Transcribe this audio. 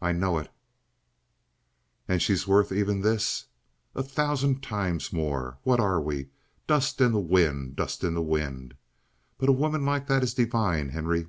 "I know it." "And she's worth even this?" "A thousand times more! What are we? Dust in the wind; dust in the wind. But a woman like that is divine, Henry!"